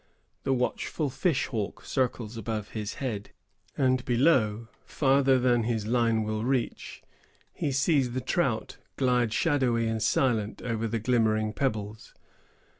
The watchful fish hawk circles above his head; and below, farther than his line will reach, he sees the trout glide shadowy and silent over the glimmering pebbles.